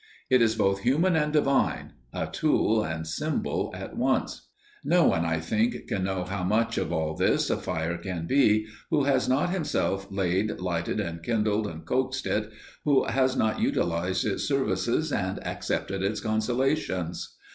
It is both human and divine, a tool and symbol at once. No one, I think, can know how much of all this a fire can be, who has not himself laid, lighted and kindled and coaxed it, who has not utilized its services and accepted its consolations.